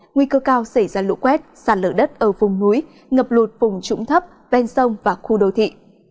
nguy cơ cao xảy ra lũ quét sạt lở đất ở vùng núi ngập lụt vùng trũng thấp ven sông và khu đô thị